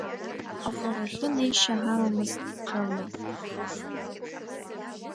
Аҟәарахьы неишьа ҳамамызт ҽынла.